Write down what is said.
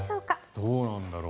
どうなんだろう